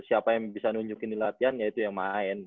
siapa yang bisa nunjukin di latihan ya itu yang main